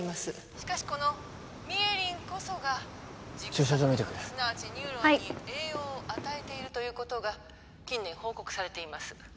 しかしこのミエリンこそが駐車場見てくるはい栄養を与えているということが近年報告されています